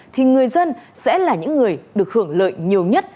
thì người dân sẽ là những người được hưởng lợi nhiều nhất